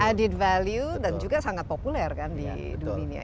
added value dan juga sangat populer kan di dunia